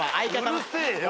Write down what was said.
うるせえよ。